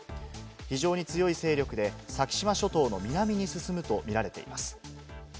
非常に強い勢力で先島諸島の南に進むと見られています。